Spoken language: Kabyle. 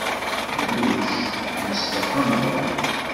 Yuc yexleq ameɣrad.